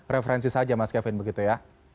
referensi saja mas kevin begitu ya